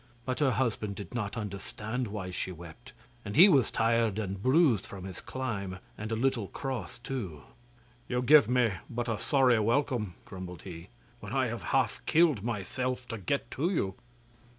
But her husband did not understand why she wept, and he was tired and bruised from his climb, and a little cross too. 'You give me but a sorry welcome,' grumbled he, 'when I have half killed myself to get to you.